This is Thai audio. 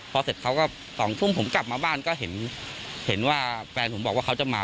พอเสร็จเขาก็๒ทุ่มผมกลับมาบ้านก็เห็นว่าแฟนผมบอกว่าเขาจะมา